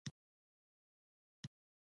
هغه ډېره ښه نجلۍ او د اعتماد وړ کس وه.